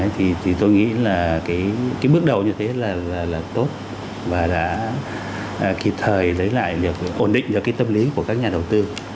thì tôi nghĩ là cái bước đầu như thế là tốt và đã kịp thời lấy lại được ổn định cho cái tâm lý của các nhà đầu tư